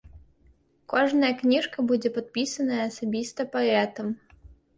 Кожная кніжка будзе падпісаная асабіста паэтам.